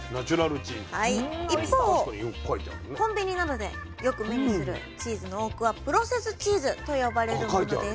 一方コンビニなどでよく目にするチーズの多くは「プロセスチーズ」と呼ばれるものです。